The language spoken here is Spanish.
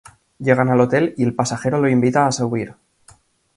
Llegan al hotel y el pasajero lo invita a subir.